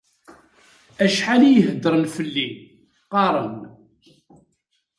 Acḥal i iheddren fell-i, qqaren.